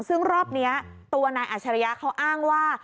ซึ่งรอบนี้ตัวนายอัชริยะเขาอ้างว่า